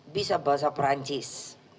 bisa bahasa perancis